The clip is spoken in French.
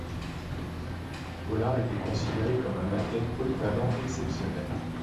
Pollard était considéré comme un athlète polyvalent exceptionnel.